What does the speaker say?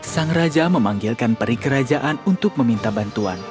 sang raja memanggilkan perikerajaan untuk meminta bantuan